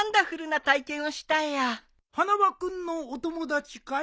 花輪君のお友達かい？